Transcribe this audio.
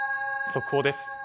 速報です。